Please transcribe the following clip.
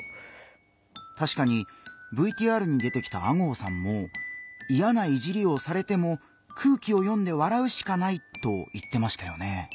たしかにＶＴＲに出てきた吾郷さんも「イヤないじりをされても空気を読んで笑うしかない」と言ってましたよね。